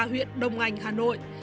huyện đồng anh hà nội